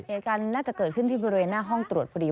เหตุการณ์น่าจะเกิดขึ้นที่บริเวณหน้าห้องตรวจพอดี